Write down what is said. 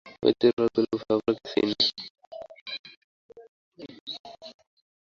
ঐরূপে প্রচারিত ভাবের মূল্য কিছুই নয়।